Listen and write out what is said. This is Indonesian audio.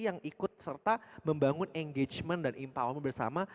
yang ikut serta membangun engagement dan empowerment bersama